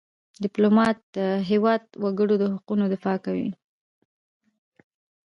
ډيپلومات د هېواد د وګړو د حقوقو دفاع کوي .